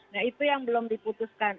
nah itu yang belum diputuskan